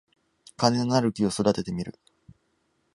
金のなる木を育ててみる